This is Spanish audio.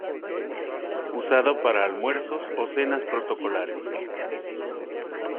Usado para almuerzos o cenas protocolares.